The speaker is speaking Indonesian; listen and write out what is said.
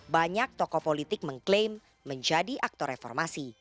banyak tokoh politik mengklaim menjadi aktor reformasi